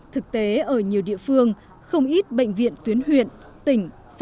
thực tế ở nhiều địa phương không ít bệnh viện tuyến huyện tỉnh